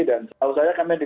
dan kalau saya